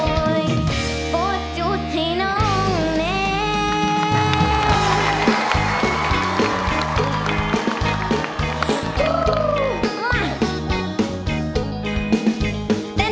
ปวดจุดให้น้องแน่